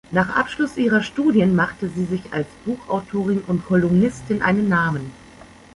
Nach Abschluss ihrer Studien machte sie sich als Buchautorin und Kolumnistin einen Namen.